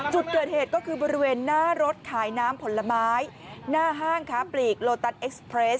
จุดเกิดเหตุก็คือบริเวณหน้ารถขายน้ำผลไม้หน้าห้างค้าปลีกโลตัสเอ็กซ์เพรส